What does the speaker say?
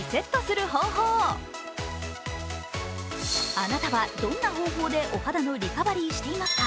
あなたはどんな方法でお肌のリカバリーしていますか。